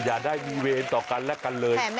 อย่าได้มีเวรต่อกันและกันเลย